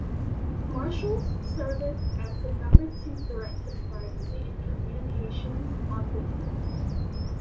Marshals Service-as the number two threat to privacy and communications on the Internet.